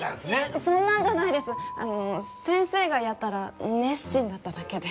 そんなんじゃないです先生がやたら熱心だっただけで。